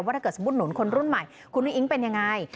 ว่าถ้าเกิดสมบูรณ์หนุนคนรุ่นใหม่คุณรุ่นอิงเป็นอย่างไร